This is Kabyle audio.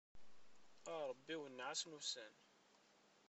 A Ṛebbi wenneɛ-asen ussan.